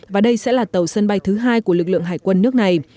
và đây sẽ là tàu sân bay thứ hai của lực lượng hải quân nước này